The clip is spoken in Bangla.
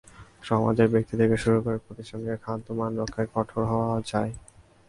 সমাজের ব্যক্তি থেকে শুরু করে প্রতিষ্ঠানকে খাদ্য মান রক্ষায় কঠোর হওয়া চাই।